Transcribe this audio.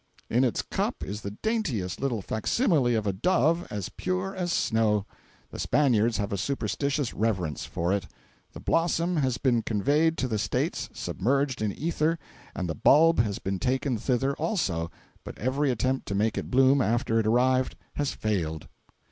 In its cup is the daintiest little facsimile of a dove, as pure as snow. The Spaniards have a superstitious reverence for it. The blossom has been conveyed to the States, submerged in ether; and the bulb has been taken thither also, but every attempt to make it bloom after it arrived, has failed.